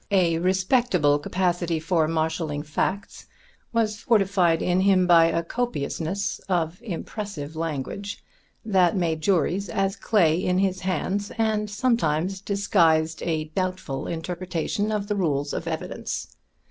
A respectable capacity for marshaling facts was fortified in him by a copiousness of impressive language that made juries as clay in his hands and sometimes disguised a doubtful interpretation of the rules of evidence.